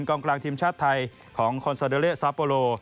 กองกลางทีมชาติไทยของคอนโซเดเลสับโปโล